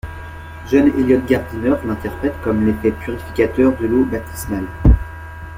John Eliot Gardiner l'interprète comme l'effet purificateur de l'eau baptismale.